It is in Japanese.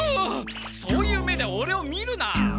そういう目でオレを見るな！